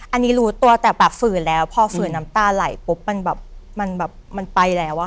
อันนี้รู้ตัวแต่แบบฝืนแล้วพอฝืนน้ำตาไหลปุ๊บมันแบบมันแบบมันไปแล้วอะค่ะ